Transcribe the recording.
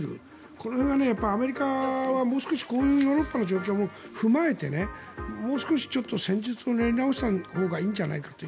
これはアメリカは、もう少しこういうヨーロッパの状況も踏まえてもう少し戦術を練り直したほうがいいんじゃないかと。